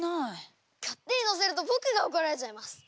勝手に乗せると僕が怒られちゃいます。